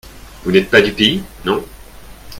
Vous n'êtes pas du pays ? Non.